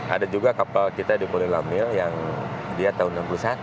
ada juga kapal kita di mulilamil yang dia tahun seribu sembilan ratus enam puluh satu